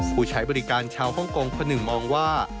ผู้ใช้บริการชาวฮ่องกงคนหนึ่งมองว่า